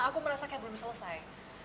aku merasa kayak belum selesai